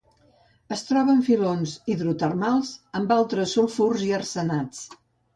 Es troba en filons hidrotermals amb altres sulfurs i arsenats.